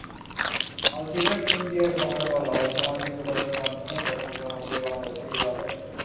Ultimate ইন্ডিয়ার খবরে বলা হয়, সামাজিক যোগাযোগমাধ্যমে ব্যাপক জনপ্রিয় বাংলাদেশের হিরো আলম।